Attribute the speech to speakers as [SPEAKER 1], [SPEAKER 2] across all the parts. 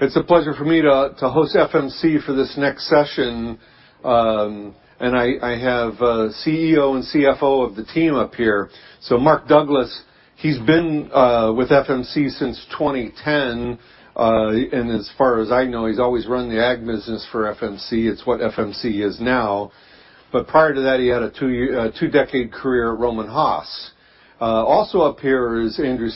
[SPEAKER 1] It's a pleasure for me to host FMC for this next session. I have CEO and CFO of the team up here. Mark Douglas, he's been with FMC since 2010. As far as I know, he's always run the ag business for FMC. It's what FMC is now. Prior to that, he had a two-decade career at Rohm and Haas. Also up here is Andrew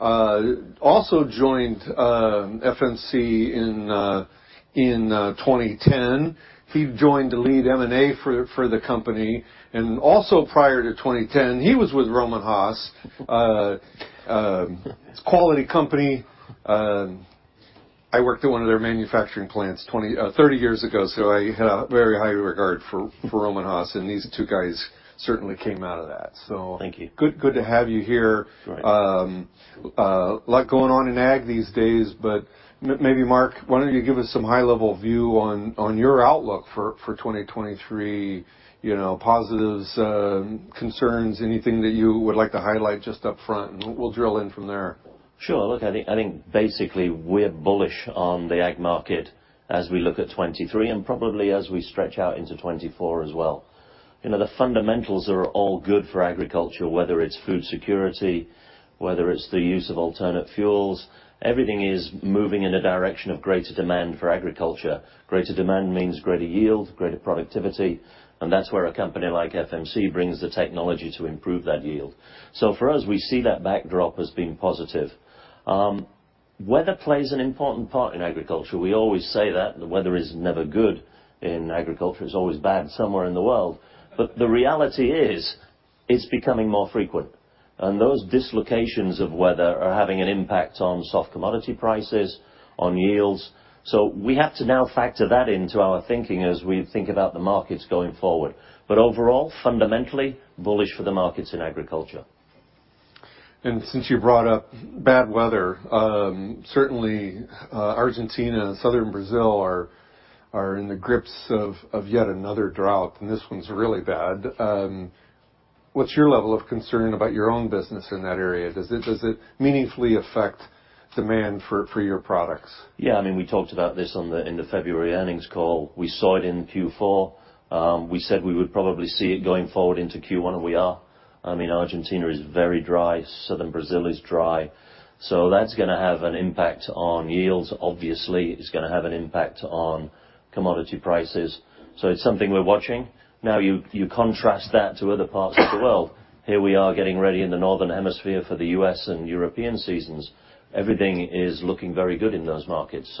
[SPEAKER 1] Sandifer, also joined FMC in 2010. He joined to lead M&A for the company. Also prior to 2010, he was with Rohm and Haas. Quality company. I worked at one of their manufacturing plants 30 years ago, so I have very high regard for Rohm and Haas, and these two guys certainly came out of that, so.
[SPEAKER 2] Thank you.
[SPEAKER 1] Good to have you here.
[SPEAKER 2] Right.
[SPEAKER 1] Lot going on in ag these days, but maybe, Mark, why don't you give us some high-level view on your outlook for 2023, you know, positives, concerns, anything that you would like to highlight just up front, and we'll drill in from there.
[SPEAKER 2] Sure. Look, I think basically we're bullish on the ag market as we look at 2023, and probably as we stretch out into 2024 as well. You know, the fundamentals are all good for agriculture, whether it's food security, whether it's the use of alternate fuels, everything is moving in a direction of greater demand for agriculture. Greater demand means greater yield, greater productivity, and that's where a company like FMC brings the technology to improve that yield. For us, we see that backdrop as being positive. Weather plays an important part in agriculture. We always say that. The weather is never good in agriculture. It's always bad somewhere in the world. The reality is, it's becoming more frequent, and those dislocations of weather are having an impact on soft commodity prices, on yields. We have to now factor that into our thinking as we think about the markets going forward. Overall, fundamentally bullish for the markets in agriculture.
[SPEAKER 1] Since you brought up bad weather, certainly, Argentina and Southern Brazil are in the grips of yet another drought, and this one's really bad. What's your level of concern about your own business in that area? Does it meaningfully affect demand for your products?
[SPEAKER 2] Yeah. I mean, we talked about this in the February earnings call. We saw it in Q4. We said we would probably see it going forward into Q1, and we are. I mean, Argentina is very dry. Southern Brazil is dry. That's gonna have an impact on yields. Obviously, it's gonna have an impact on commodity prices. It's something we're watching. Now, you contrast that to other parts of the world. Here we are getting ready in the northern hemisphere for the U.S. and European seasons. Everything is looking very good in those markets.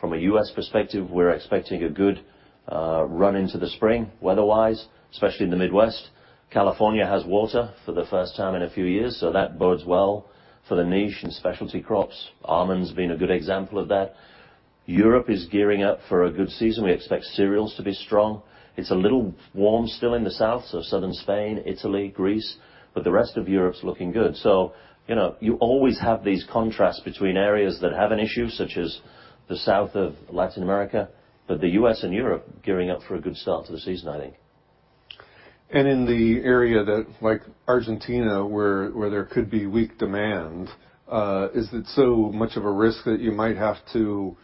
[SPEAKER 2] From a U.S. perspective, we're expecting a good run into the spring, weather-wise, especially in the Midwest. California has water for the first time in a few years, that bodes well for the niche and specialty crops. Almonds being a good example of that. Europe is gearing up for a good season. We expect cereals to be strong. It's a little warm still in the south, so southern Spain, Italy, Greece, but the rest of Europe's looking good. You know, you always have these contrasts between areas that have an issue, such as the south of Latin America, but the U.S. and Europe gearing up for a good start to the season, I think.
[SPEAKER 1] In the area that, like Argentina, where there could be weak demand, is it so much of a risk that you might have to,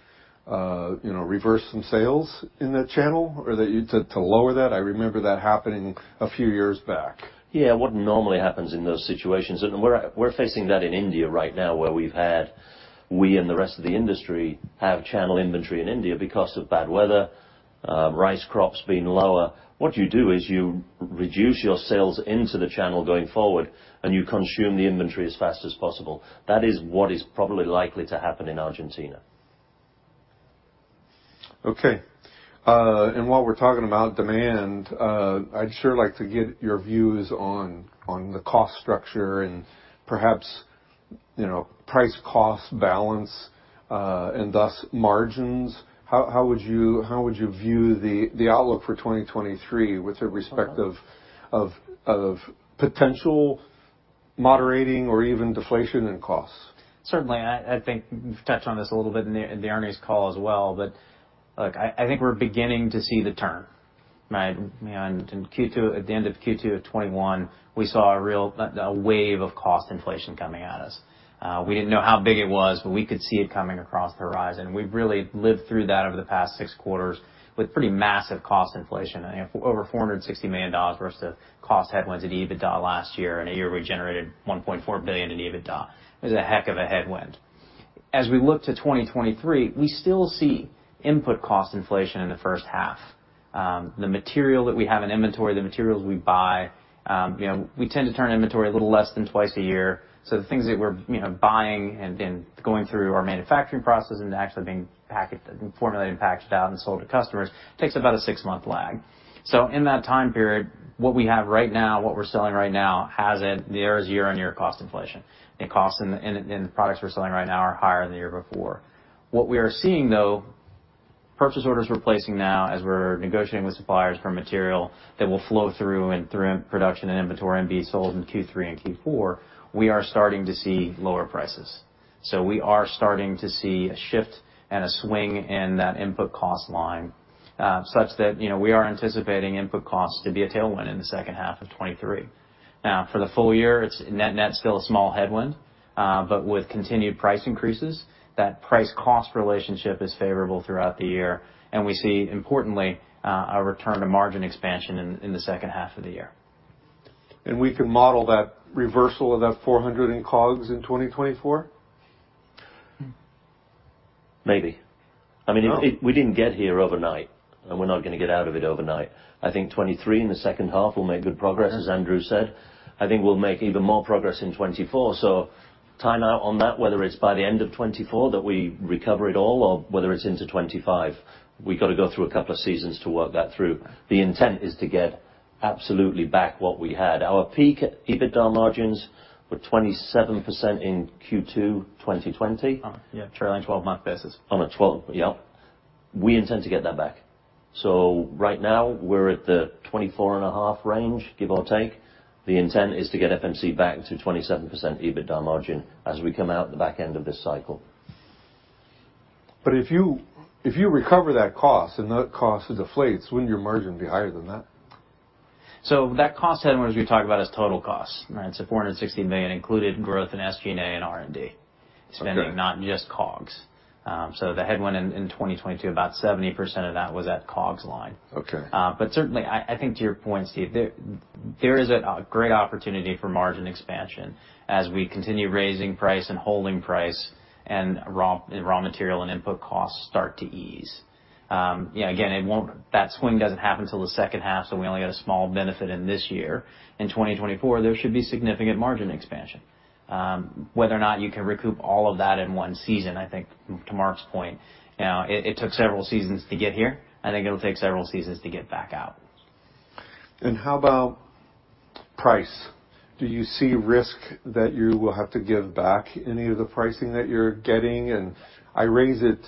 [SPEAKER 1] you know, reverse some sales in that channel or to lower that? I remember that happening a few years back.
[SPEAKER 2] What normally happens in those situations, and we're facing that in India right now, where we and the rest of the industry have channel inventory in India because of bad weather, rice crops being lower. What you do is you reduce your sales into the channel going forward, and you consume the inventory as fast as possible. That is what is probably likely to happen in Argentina.
[SPEAKER 1] Okay. While we're talking about demand, I'd sure like to get your views on the cost structure and perhaps, you know, price-cost balance, and thus margins. How would you view the outlook for 2023 with respect of potential moderating or even deflation in costs?
[SPEAKER 3] Certainly. I think we've touched on this a little bit in the earnings call as well. Look, I think we're beginning to see the turn, right? In Q2, at the end of Q2 of 2021, we saw a real wave of cost inflation coming at us. We didn't know how big it was, but we could see it coming across the horizon. We've really lived through that over the past six quarters with pretty massive cost inflation. I think over $460 million worth of cost headwinds at EBITDA last year. In a year, we generated $1.4 billion in EBITDA. It was a heck of a headwind. As we look to 2023, we still see input cost inflation in the H1. The material that we have in inventory, the materials we buy, you know, we tend to turn inventory a little less than twice a year. The things that we're, you know, buying and then going through our manufacturing process and actually being formulated and packaged out and sold to customers takes about a six-month lag. In that time period, what we have right now, what we're selling right now, there is year-on-year cost inflation. The costs in the products we're selling right now are higher than the year before. What we are seeing, though, purchase orders we're placing now as we're negotiating with suppliers for material that will flow through and through production and inventory and be sold in Q3 and Q4, we are starting to see lower prices. We are starting to see a shift and a swing in that input cost line, such that, you know, we are anticipating input costs to be a tailwind in the H2 of 2023. Now, for the full year, it's net-net still a small headwind, but with continued price increases, that price cost relationship is favorable throughout the year, and we see importantly, a return to margin expansion in the H2 of the year.
[SPEAKER 1] We can model that reversal of that 400 in COGS in 2024?
[SPEAKER 2] Maybe.
[SPEAKER 1] Oh.
[SPEAKER 2] I mean, we didn't get here overnight, and we're not gonna get out of it overnight. I think 2023 in the H2 we'll make good progress, as Andrew said. I think we'll make even more progress in 2024. Time out on that, whether it's by the end of 2024 that we recover it all or whether it's into 2025, we've got to go through a couple of seasons to work that through. The intent is to get absolutely back what we had. Our peak EBITDA margins were 27% in Q2, 2020.
[SPEAKER 3] Yeah, trailing twelve Mark basis.
[SPEAKER 2] Yeah. We intend to get that back. Right now, we're at the 24.5 range, give or take. The intent is to get FMC back to 27% EBITDA margin as we come out the back end of this cycle.
[SPEAKER 1] if you recover that cost and that cost deflates, wouldn't your margin be higher than that?
[SPEAKER 3] That cost head, as we talk about, is total cost. Right. $460 million included growth in SG&A and R&D.
[SPEAKER 1] Okay.
[SPEAKER 3] -spending, not just COGS. The headwind in 2022, about 70% of that was at COGS line.
[SPEAKER 1] Okay.
[SPEAKER 3] Certainly I think to your point, Steve, there is a great opportunity for margin expansion as we continue raising price and holding price and raw material and input costs start to ease. Yeah, again, it won't. That swing doesn't happen till the H2, so we only get a small benefit in this year. In 2024, there should be significant margin expansion. Whether or not you can recoup all of that in one season, I think to Mark's point, you know, it took several seasons to get here. I think it'll take several seasons to get back out.
[SPEAKER 1] How about price? Do you see risk that you will have to give back any of the pricing that you're getting? I raise it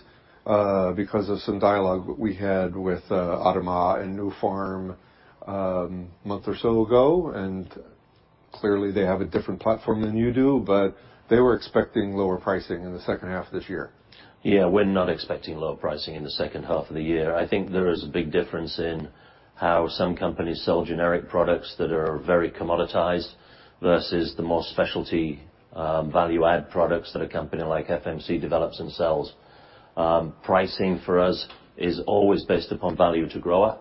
[SPEAKER 1] because of some dialogue we had with ADAMA and Nufarm a month or so ago. Clearly, they have a different platform than you do, but they were expecting lower pricing in the H2 of this year.
[SPEAKER 2] Yeah, we're not expecting lower pricing in the H2 of the year. I think there is a big difference in how some companies sell generic products that are very commoditized versus the more specialty, value-add products that a company like FMC develops and sells. Pricing for us is always based upon value to grower.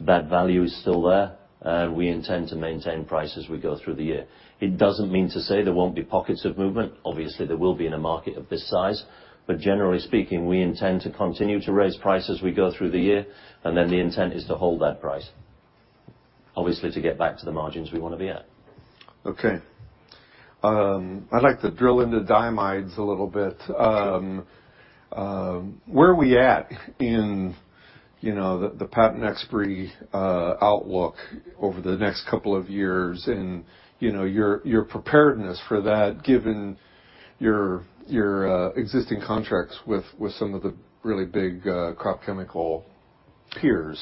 [SPEAKER 2] That value is still there, and we intend to maintain price as we go through the year. It doesn't mean to say there won't be pockets of movement. Obviously, there will be in a market of this size. Generally speaking, we intend to continue to raise price as we go through the year, and then the intent is to hold that price, obviously, to get back to the margins we wanna be at.
[SPEAKER 1] Okay. I'd like to drill into diamides a little bit. Where are we at in, you know, the patent expiry outlook over the next two years and, you know, your preparedness for that, given your existing contracts with some of the really big crop chemical peers?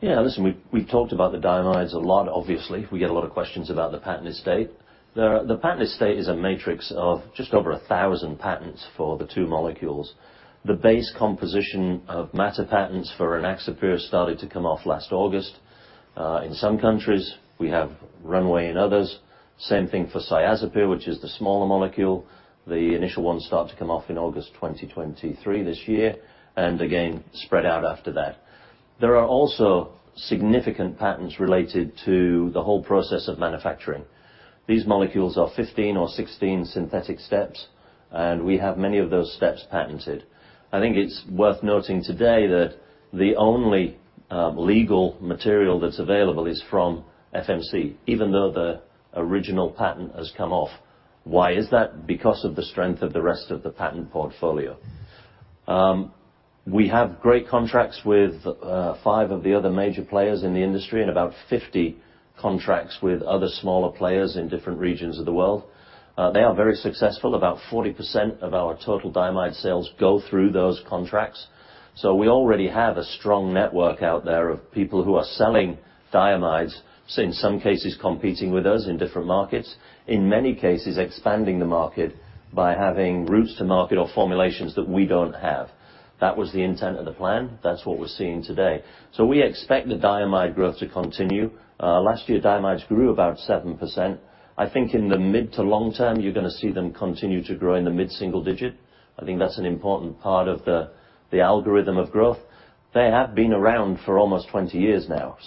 [SPEAKER 2] Yeah. Listen, we talked about the diamides a lot, obviously. We get a lot of questions about the patent estate. The patent estate is a matrix of just over 1,000 patents for the 2 molecules. The base composition of matter patents for an Rynaxypyr started to come off August 2022. In some countries, we have runway in others. Same thing for Cyazypyr, which is the smaller molecule. The initial ones start to come off in August 2023, again, spread out after that. There are also significant patents related to the whole process of manufacturing. These molecules are 15 or 16 synthetic steps, we have many of those steps patented. I think it's worth noting today that the only legal material that's available is from FMC, even though the original patent has come off. Why is that? Because of the strength of the rest of the patent portfolio. We have great contracts with 5 of the other major players in the industry and about 50 contracts with other smaller players in different regions of the world. They are very successful. About 40% of our total diamide sales go through those contracts. We already have a strong network out there of people who are selling diamides, so in some cases competing with us in different markets, in many cases expanding the market by having routes to market or formulations that we don't have. That was the intent of the plan. That's what we're seeing today. We expect the diamide growth to continue. Last year, diamides grew about 7%. I think in the mid to long term, you're gonna see them continue to grow in the mid-single digit. I think that's an important part of the algorithm of growth. They have been around for almost 20 years now.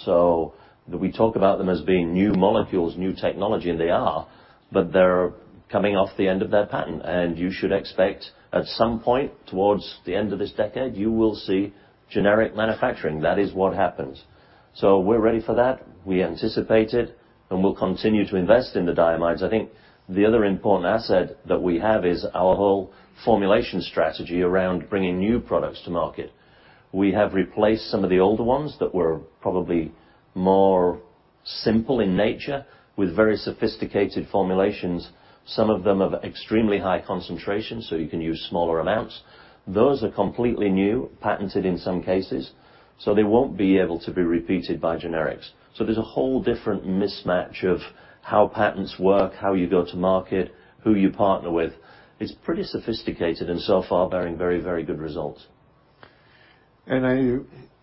[SPEAKER 2] We talk about them as being new molecules, new technology, and they are, but they're coming off the end of their patent. You should expect at some point towards the end of this decade, you will see generic manufacturing. That is what happens. We're ready for that. We anticipate it, and we'll continue to invest in the diamides. I think the other important asset that we have is our whole formulation strategy around bringing new products to market. We have replaced some of the older ones that were probably more simple in nature with very sophisticated formulations, some of them of extremely high concentration, so you can use smaller amounts. Those are completely new, patented in some cases. They won't be able to be repeated by generics. There's a whole different mismatch of how patents work, how you go to market, who you partner with. It's pretty sophisticated so far bearing very, very good results.
[SPEAKER 1] I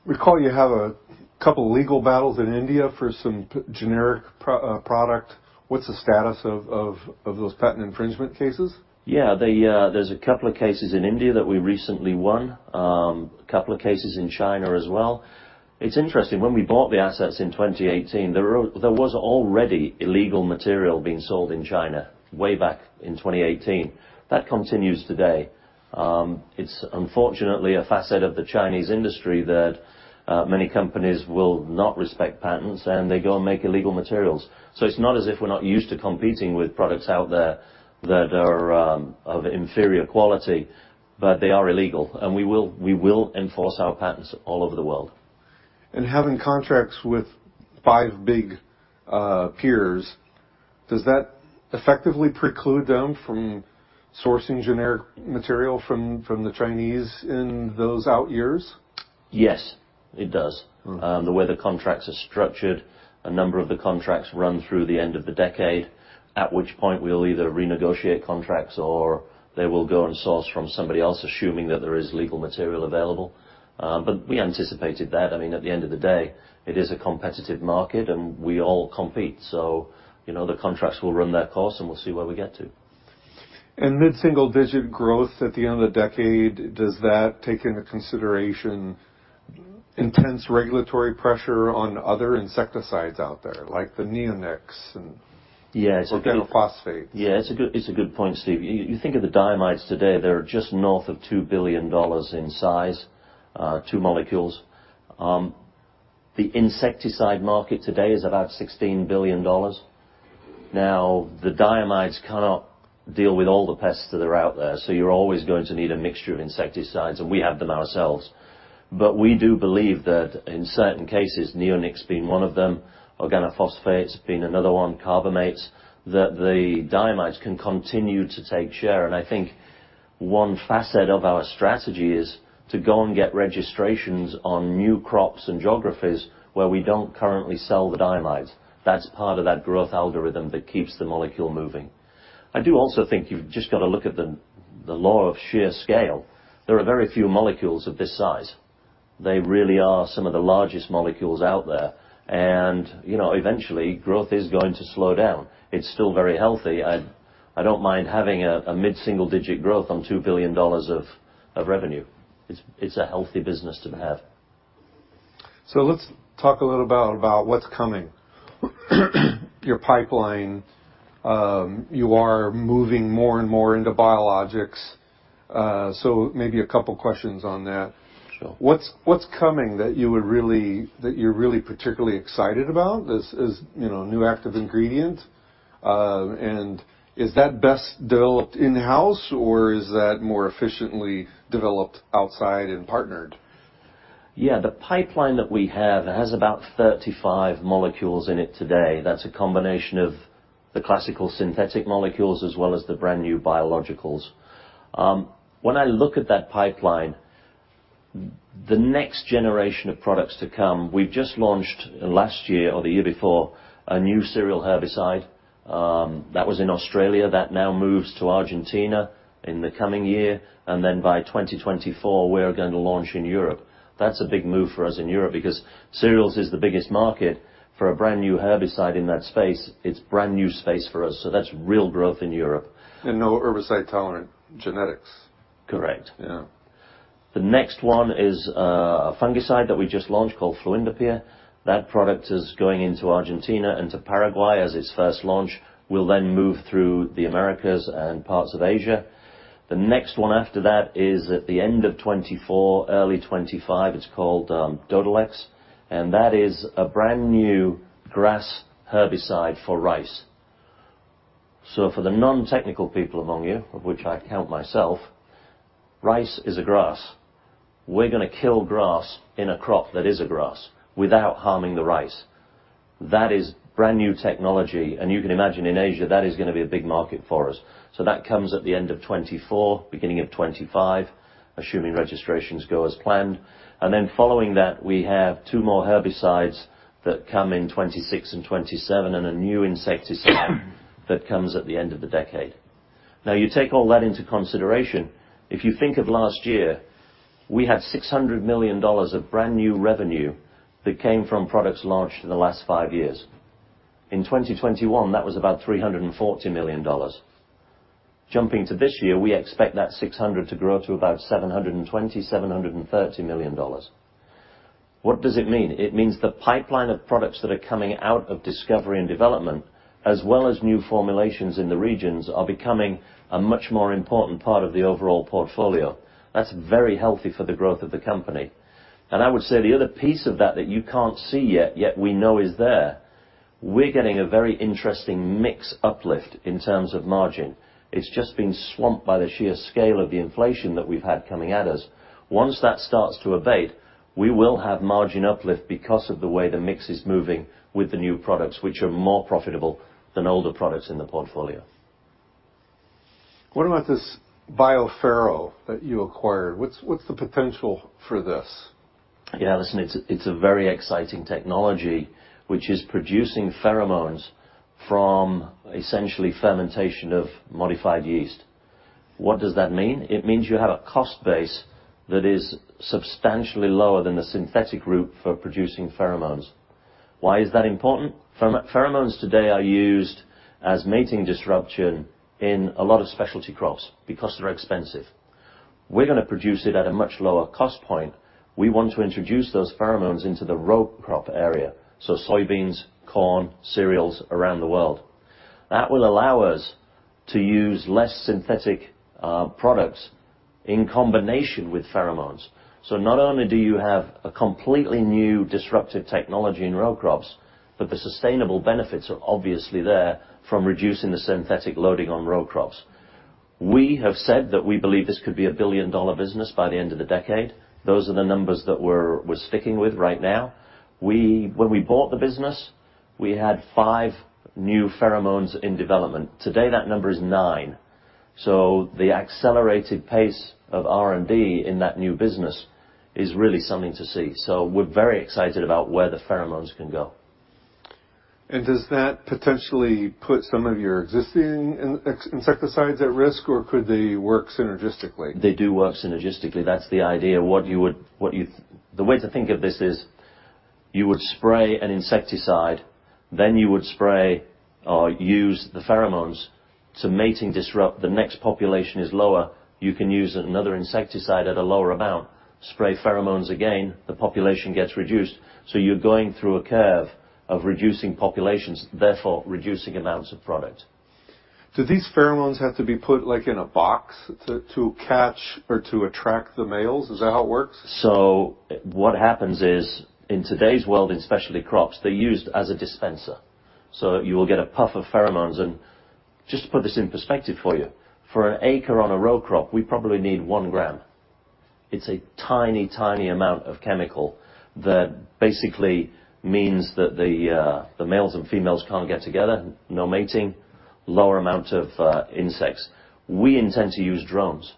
[SPEAKER 1] recall you have a couple legal battles in India for some generic product. What's the status of those patent infringement cases?
[SPEAKER 2] Yeah. They, there's a couple of cases in India that we recently won, a couple of cases in China as well. It's interesting. When we bought the assets in 2018, there was already illegal material being sold in China way back in 2018. That continues today. It's unfortunately a facet of the Chinese industry that many companies will not respect patents, and they go and make illegal materials. It's not as if we're not used to competing with products out there that are of inferior quality, but they are illegal, and we will enforce our patents all over the world.
[SPEAKER 1] Having contracts with five big peers, does that effectively preclude them from sourcing generic material from the Chinese in those out years?
[SPEAKER 2] Yes. It does. The way the contracts are structured, a number of the contracts run through the end of the decade, at which point we'll either renegotiate contracts or they will go and source from somebody else, assuming that there is legal material available. We anticipated that. I mean, at the end of the day, it is a competitive market, and we all compete. You know, the contracts will run their course, and we'll see where we get to.
[SPEAKER 1] Mid-single-digit growth at the end of the decade, does that take into consideration intense regulatory pressure on other insecticides out there, like the neonics and...?
[SPEAKER 2] Yeah. It's a.
[SPEAKER 1] -organophosphates?
[SPEAKER 2] Yeah. It's a good point, Steve. You think of the diamides today, they're just north of $2 billion in size, two molecules. The insecticide market today is about $16 billion. Now, the diamides cannot deal with all the pests that are out there, so you're always going to need a mixture of insecticides, and we have them ourselves. We do believe that in certain cases, neonics being one of them, organophosphates being another one, carbamates, that the diamides can continue to take share. I think one facet of our strategy is to go and get registrations on new crops and geographies where we don't currently sell the diamides. That's part of that growth algorithm that keeps the molecule moving. I do also think you've just gotta look at the law of sheer scale. There are very few molecules of this size. They really are some of the largest molecules out there. You know, eventually, growth is going to slow down. It's still very healthy. I don't mind having a mid-single digit growth on $2 billion of revenue. It's a healthy business to have.
[SPEAKER 1] Let's talk a little about what's coming. Your pipeline, you are moving more and more into biologicals, maybe a couple questions on that.
[SPEAKER 2] Sure.
[SPEAKER 1] What's coming that you're really particularly excited about as, you know, new active ingredient? Is that best developed in-house, or is that more efficiently developed outside and partnered?
[SPEAKER 2] Yeah. The pipeline that we have has about 35 molecules in it today. That's a combination of the classical synthetic molecules as well as the brand-new biologicals. When I look at that pipeline, the next generation of products to come, we've just launched last year or the year before, a new cereal herbicide, that was in Australia, that now moves to Argentina in the coming year, and then by 2024, we're gonna launch in Europe. That's a big move for us in Europe because cereals is the biggest market for a brand new herbicide in that space. It's brand new space for us, so that's real growth in Europe.
[SPEAKER 1] No herbicide-tolerant genetics.
[SPEAKER 2] Correct.
[SPEAKER 1] Yeah.
[SPEAKER 2] The next one is a fungicide that we just launched called fluindapyr. That product is going into Argentina, into Paraguay as its first launch, will then move through the Americas and parts of Asia. The next one after that is at the end of 2024, early 2025. It's called Dodhylex, and that is a brand-new grass herbicide for rice. For the non-technical people among you, of which I count myself, rice is a grass. We're gonna kill grass in a crop that is a grass without harming the rice. That is brand new technology. You can imagine in Asia, that is gonna be a big market for us. That comes at the end of 2024, beginning of 2025, assuming registrations go as planned. Following that, we have 2 more herbicides that come in 2026 and 2027 and a new insecticide that comes at the end of the decade. You take all that into consideration. If you think of last year, we had $600 million of brand new revenue that came from products launched in the last five years. In 2021, that was about $340 million. Jumping to this year, we expect that $600 million to grow to about $720 million, $730 million. What does it mean? It means the pipeline of products that are coming out of discovery and development, as well as new formulations in the regions, are becoming a much more important part of the overall portfolio. That's very healthy for the growth of the company. I would say the other piece of that that you can't see yet we know is there, we're getting a very interesting mix uplift in terms of margin. It's just been swamped by the sheer scale of the inflation that we've had coming at us. Once that starts to abate, we will have margin uplift because of the way the mix is moving with the new products, which are more profitable than older products in the portfolio.
[SPEAKER 1] What about this BioPhero that you acquired? What's the potential for this?
[SPEAKER 2] Yeah. Listen, it's a very exciting technology which is producing pheromones from essentially fermentation of modified yeast. What does that mean? It means you have a cost base that is substantially lower than the synthetic route for producing pheromones. Why is that important? Pheromones today are used as mating disruption in a lot of specialty crops because they're expensive. We're gonna produce it at a much lower cost point. We want to introduce those pheromones into the row crop area, so soybeans, corn, cereals around the world. That will allow us to use less synthetic products in combination with pheromones. Not only do you have a completely new disruptive technology in row crops, but the sustainable benefits are obviously there from reducing the synthetic loading on row crops. We have said that we believe this could be a billion-dollar business by the end of the decade. Those are the numbers that we're sticking with right now. When we bought the business, we had five new pheromones in development. Today, that number is nine. The accelerated pace of R&D in that new business is really something to see. We're very excited about where the pheromones can go.
[SPEAKER 1] Does that potentially put some of your existing insecticides at risk, or could they work synergistically?
[SPEAKER 2] They do work synergistically. That's the idea. The way to think of this is you would spray an insecticide, then you would spray or use the pheromones to mating disrupt. The next population is lower. You can use another insecticide at a lower amount, spray pheromones again, the population gets reduced. You're going through a curve of reducing populations, therefore reducing amounts of product.
[SPEAKER 1] Do these pheromones have to be put like in a box to catch or to attract the males? Is that how it works?
[SPEAKER 2] What happens is, in today's world, in specialty crops, they're used as a dispenser. You will get a puff of pheromones. Just to put this in perspective for you, for an acre on a row crop, we probably need 1 gram. It's a tiny amount of chemical that basically means that the males and females can't get together, no mating, lower amount of insects. We intend to use drones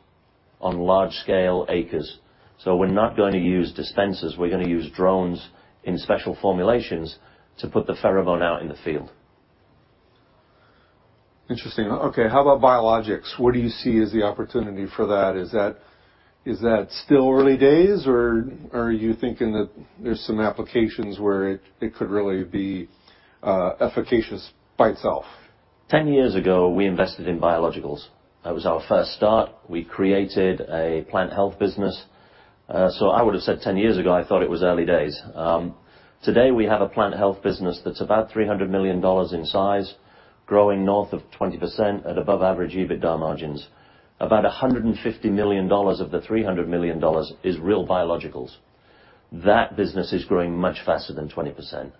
[SPEAKER 2] on large scale acres. We're not gonna use dispensers, we're gonna use drones in special formulations to put the pheromone out in the field.
[SPEAKER 1] Interesting. Okay, how about biologicals? What do you see as the opportunity for that? Is that still early days, or are you thinking that there's some applications where it could really be efficacious by itself?
[SPEAKER 2] 10 years ago, we invested in biologicals. That was our first start. We created a plant health business. I would have said 10 years ago, I thought it was early days. Today, we have a plant health business that's about $300 million in size, growing north of 20% at above average EBITDA margins. About $150 million of the $300 million is real biologicals. That business is growing much faster than 20%.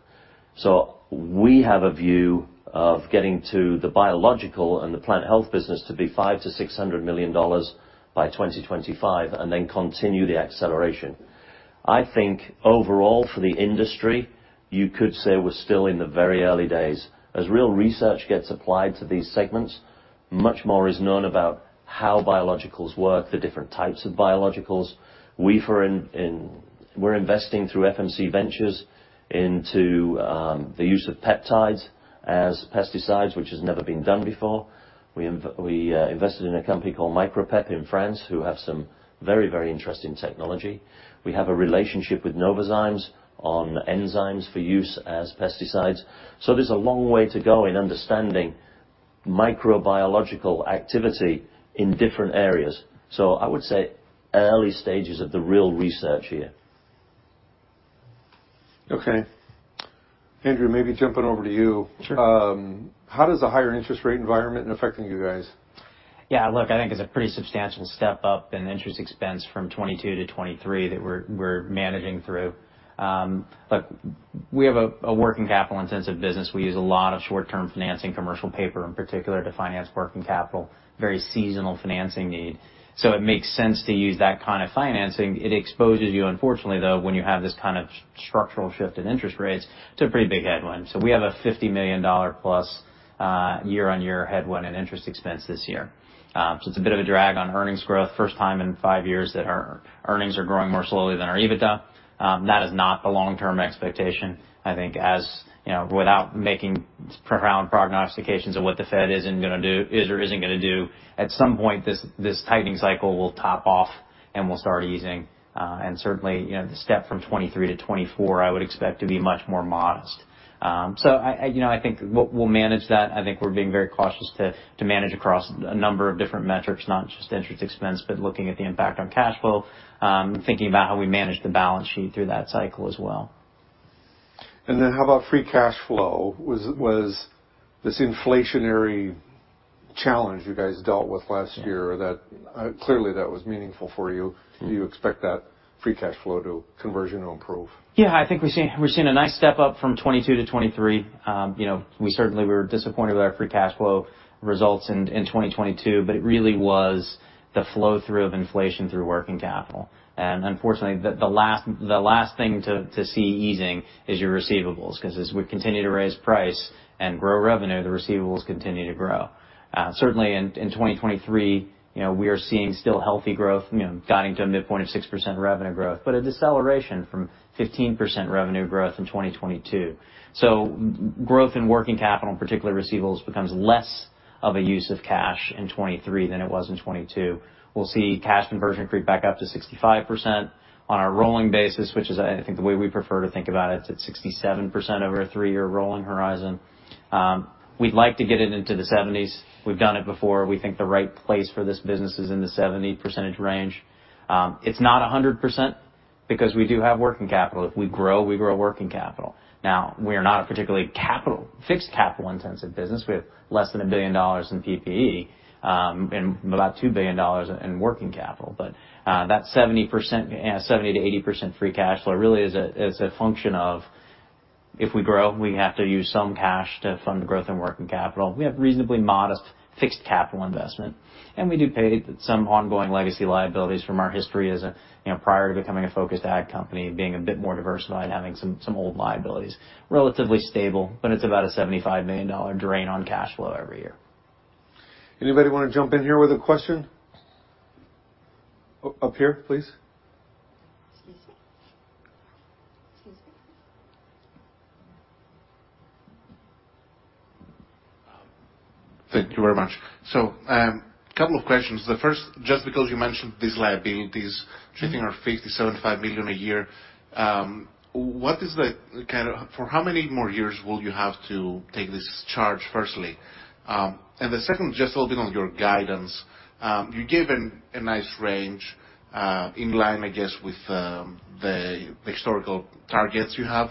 [SPEAKER 2] We have a view of getting to the biological and the plant health business to be $500 million-$600 million by 2025, and then continue the acceleration. Overall for the industry, you could say we're still in the very early days. As real research gets applied to these segments, much more is known about how biologicals work, the different types of biologicals. We're investing through FMC Ventures into the use of peptides as pesticides, which has never been done before. We invested in a company called Micropep in France, who have some very, very interesting technology. We have a relationship with Novozymes on enzymes for use as pesticides. There's a long way to go in understanding microbiological activity in different areas. I would say early stages of the real research here.
[SPEAKER 1] Okay. Andrew, maybe jumping over to you.
[SPEAKER 3] Sure.
[SPEAKER 1] How does the higher interest rate environment affecting you guys?
[SPEAKER 3] Yeah, look, I think it's a pretty substantial step up in interest expense from 2022 to 2023 that we're managing through. Look, we have a working capital-intensive business. We use a lot of short-term financing commercial paper, in particular, to finance working capital, very seasonal financing need. It makes sense to use that kind of financing. It exposes you, unfortunately, though, when you have this kind of structural shift in interest rates, to a pretty big headwind. We have a $50 million+ year-on-year headwind in interest expense this year. It's a bit of a drag on earnings growth. First time in five years that our earnings are growing more slowly than our EBITDA. That is not the long-term expectation. I think as, you know, without making profound prognostications of what the Fed is or isn't gonna do, at some point, this tightening cycle will top off and will start easing. Certainly, you know, the step from 2023 to 2024, I would expect to be much more modest. I, you know, I think we'll manage that. I think we're being very cautious to manage across a number of different metrics, not just interest expense, but looking at the impact on cash flow, thinking about how we manage the balance sheet through that cycle as well.
[SPEAKER 1] How about free cash flow? Was this inflationary challenge you guys dealt with last year that, clearly that was meaningful for you. Do you expect that free cash flow to conversion to improve?
[SPEAKER 3] I think we're seeing, we're seeing a nice step up from 2022 to 2023. you know, we certainly were disappointed with our free cash flow results in 2022, but it really was the flow-through of inflation through working capital. Unfortunately, the last, the last thing to see easing is your receivables, 'cause as we continue to raise price and grow revenue, the receivables continue to grow. Certainly in 2023, you know, we are seeing still healthy growth, you know, guiding to a midpoint of 6% revenue growth, but a deceleration from 15% revenue growth in 2022. Growth in working capital, particularly receivables, becomes less of a use of cash in 2023 than it was in 2022. We'll see cash conversion creep back up to 65% on a rolling basis, which is, I think, the way we prefer to think about it. It's at 67% over a three-year rolling horizon. We'd like to get it into the 70s. We've done it before. We think the right place for this business is in the 70% range. It's not 100% because we do have working capital. If we grow, we grow working capital. Now, we are not a particularly fixed capital-intensive business. We have less than $1 billion in PPE, and about $2 billion in working capital. That 70%, yeah, 70%-80% free cash flow really is a, is a function of if we grow, we have to use some cash to fund the growth and working capital. We have reasonably modest fixed capital investment. We do pay some ongoing legacy liabilities from our history as a, you know, prior to becoming a focused ag company, being a bit more diversified, having some old liabilities. Relatively stable, but it's about a $75 million drain on cash flow every year.
[SPEAKER 1] Anybody wanna jump in here with a question? Up here, please. Excuse me. Excuse me.
[SPEAKER 4] Thank you very much. Couple of questions. The first, just because you mentioned these liabilities sitting on $50 million-$75 million a year, For how many more years will you have to take this charge, firstly? And the second, just a little bit on your guidance. You gave a nice range, in line, I guess, with the historical targets you have.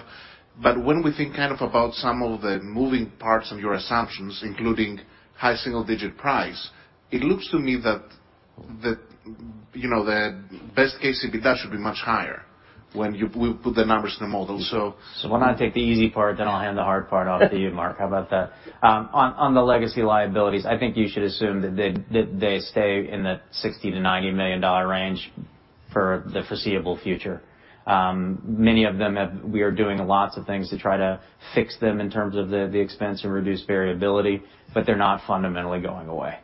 [SPEAKER 4] But when we think kind of about some of the moving parts of your assumptions, including high single-digit price, it looks to me that, you know, the best case EBITDA should be much higher when we put the numbers in the model.
[SPEAKER 3] Why don't I take the easy part, then I'll hand the hard part off to you, Mark. How about that? On the legacy liabilities, I think you should assume that they stay in the $60 million-$90 million range for the foreseeable future. We are doing lots of things to try to fix them in terms of the expense and reduce variability, but they're not fundamentally going away.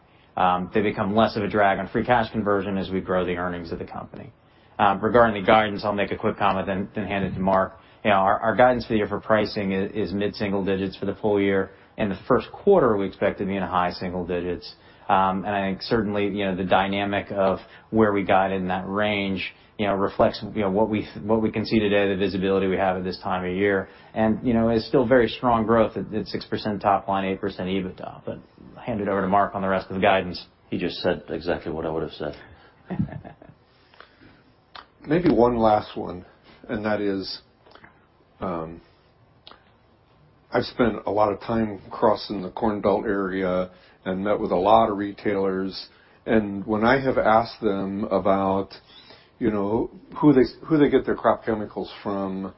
[SPEAKER 3] They become less of a drag on free cash conversion as we grow the earnings of the company. Regarding the guidance, I'll make a quick comment, then hand it to Mark. You know, our guidance for you for pricing is mid-single digits for the full year, and the Q1, we expect to be in high single digits. I think certainly, you know, the dynamic of where we guide in that range, you know, reflects, you know, what we, what we can see today, the visibility we have at this time of year. You know, it's still very strong growth at 6% top line, 8% EBITDA. Hand it over to Mark on the rest of the guidance. He just said exactly what I would have said.
[SPEAKER 1] Maybe one last one. I've spent a lot of time crossing the Corn Belt area and met with a lot of retailers. When I have asked them about, you know, who they, who they get their crop chemicals from,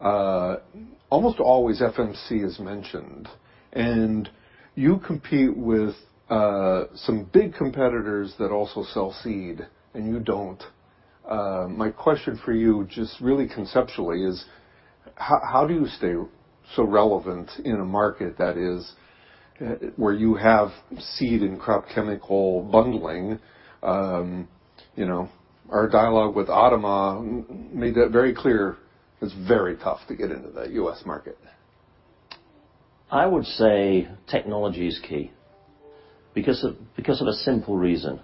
[SPEAKER 1] almost always FMC is mentioned. You compete with some big competitors that also sell seed, and you don't. My question for you, just really conceptually, is how do you stay so relevant in a market that is where you have seed and crop chemical bundling? You know, our dialogue with ADAMA made that very clear. It's very tough to get into the U.S. market.
[SPEAKER 2] I would say technology is key because of, because of a simple reason.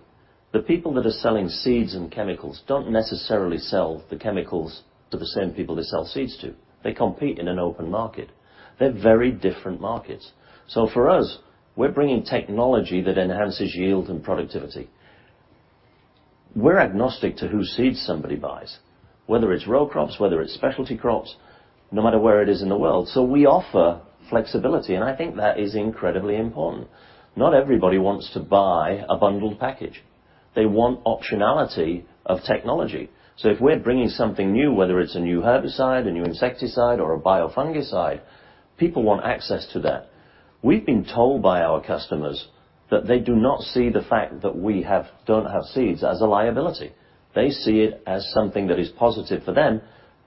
[SPEAKER 2] The people that are selling seeds and chemicals don't necessarily sell the chemicals to the same people they sell seeds to. They compete in an open market. They're very different markets. For us, we're bringing technology that enhances yield and productivity. We're agnostic to whose seeds somebody buys, whether it's row crops, whether it's specialty crops, no matter where it is in the world. We offer flexibility, and I think that is incredibly important. Not everybody wants to buy a bundled package. They want optionality of technology. If we're bringing something new, whether it's a new herbicide, a new insecticide, or a biofungicide, people want access to that. We've been told by our customers that they do not see the fact that we don't have seeds as a liability. They see it as something that is positive for them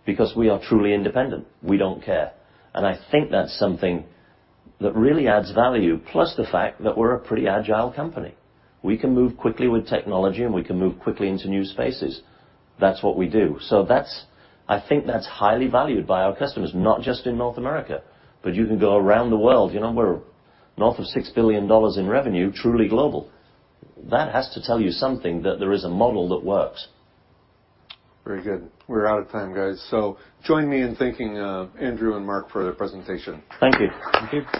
[SPEAKER 2] because we are truly independent. We don't care. I think that's something that really adds value, plus the fact that we're a pretty agile company. We can move quickly with technology, and we can move quickly into new spaces. That's what we do. I think that's highly valued by our customers, not just in North America, but you can go around the world. You know, we're north of $6 billion in revenue, truly global. That has to tell you something that there is a model that works.
[SPEAKER 1] Very good. We're out of time, guys. Join me in thanking Andrew and Mark for their presentation.
[SPEAKER 2] Thank you.
[SPEAKER 3] Thank you.